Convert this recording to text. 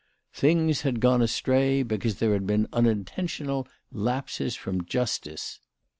Things had gone astray because there had been unintentional lapses from justice.